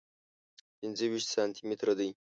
پنځه ویشت سانتي متره دی.